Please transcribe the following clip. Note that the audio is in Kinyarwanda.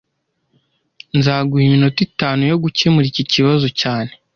Nzaguha iminota itanu yo gukemura iki kibazo cyane